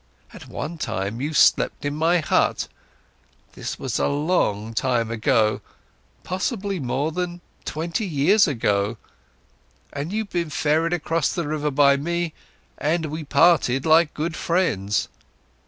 "At one time, you've slept in my hut, this was a long time ago, possibly more than twenty years ago, and you've been ferried across the river by me, and we parted like good friends.